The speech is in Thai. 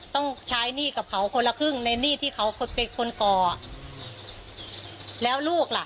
ต้องใช้หนี้กับเขาคนละครึ่งในหนี้ที่เขาเป็นคนก่อแล้วลูกล่ะ